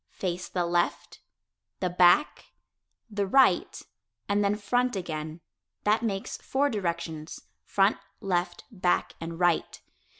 Face the "left," the "back," the "right," and then "front" again. That makes four directions front, left, back and right.